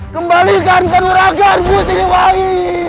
kembalikan ke nerakanku sini wangi